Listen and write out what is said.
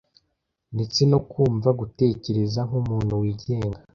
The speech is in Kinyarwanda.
ndetse no ku mva gutekereza nkumuntu wigenga